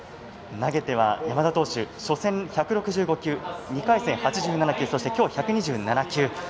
投げては山田投手初戦１６５球２回戦８７球きょう１２７球